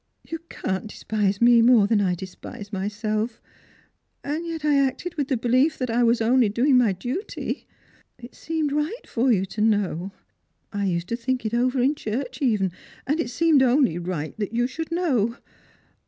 " You can't despise me more than 1 despise myself, and yet I acted with the belief that I was only doing my duty. It seemed right for you to know. I used to think it over in church even, and it seemed only right you should know.